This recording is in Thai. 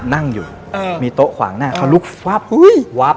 นั่งอยู่มีโต๊ะขวางหน้าเขาลุกวับ